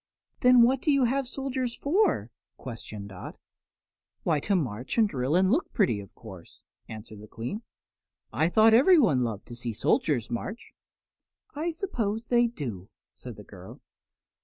"Then what do you have soldiers for?" questioned Dot. "Why, to march and drill and look pretty, of course," answered the Queen. "I thought everyone loved to see soldiers march." "I suppose they do," said the girl.